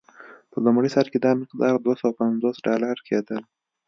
په لومړي سر کې دا مقدار دوه سوه پنځوس ډالر کېدل.